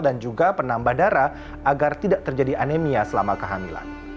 dan juga penambah darah agar tidak terjadi anemia selama kehamilan